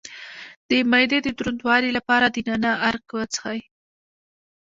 د معدې د دروندوالي لپاره د نعناع عرق وڅښئ